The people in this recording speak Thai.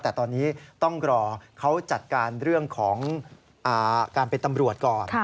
แต่ตอนนี้ต้องรอเขาจัดการเรื่องของการเป็นตำรวจก่อน